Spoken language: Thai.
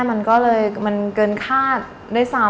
มันเกินคาดด้วยซ้ำ